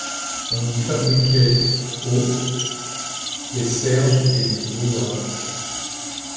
On y fabriquait au des serges et du gros draps.